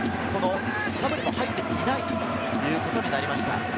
サブにも入っていないということになりました。